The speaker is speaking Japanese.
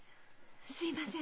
すいません。